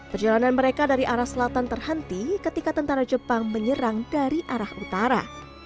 perjalanan mereka dari arah selatan terhenti ketika tentara jepang menyerang dari arah utara